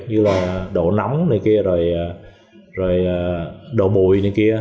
như là độ nóng này kia rồi đổ bụi này kia